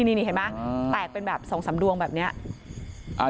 นี่เห็นมั้ยแตกเป็นแบบสองสามดวงแบบเนี้ย